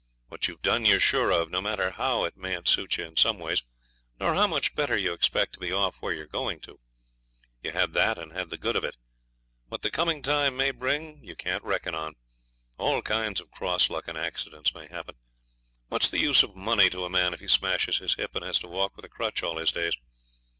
What you've done you're sure of, no matter how it mayn't suit you in some ways, nor how much better you expect to be off where you are going to. You had that and had the good of it. What the coming time may bring you can't reckon on. All kinds of cross luck and accidents may happen. What's the use of money to a man if he smashes his hip and has to walk with a crutch all his days?